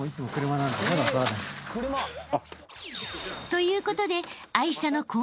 ということで］